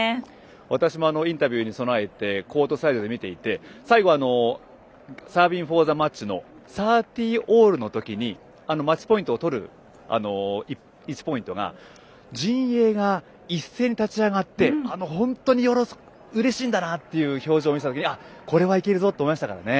私もインタビューに備えて見ていて最後サービング・フォー・ザ・マッチ３０−３０のときにマッチポイントを取る１ポイントが陣営が一斉に立ち上がって本当にうれしいんだなっていう表情を見たときにこれはいけるぞって思いましたからね。